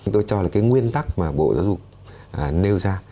tôi cho là cái nguyên tắc mà bộ giáo dục nêu ra